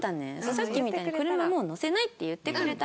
さっきみたいに「車もう乗せない」って言ってくれたら。